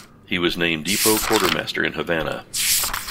He was named Depot Quartermaster in Havana.